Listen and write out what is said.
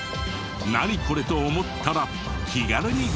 「ナニコレ？」と思ったら気軽にご投稿を。